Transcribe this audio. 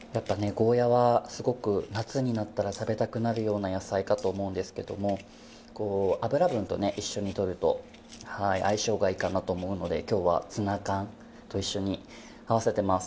ゴーヤーはすごく夏になったら食べたくなるような野菜かと思うんですけども油分とね一緒に取ると相性がいいかなと思うので今日はツナ缶と一緒に合わせてます。